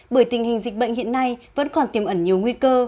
bởi tình hình dịch bệnh hiện nay vẫn còn tiềm ẩn nhiều nguy cơ